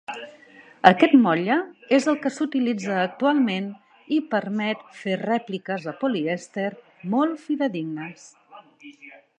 Aquest motlle és el que s'utilitza actualment i permet fer rèpliques de polièster molt fidedignes.